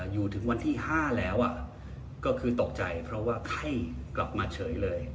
อยู่ถึงวันที่๕แล้วก็คือตกใจเพราะว่าไข้กลับมาเฉยเลย